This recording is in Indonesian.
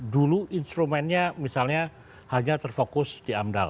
dulu instrumennya misalnya hanya terfokus di amdal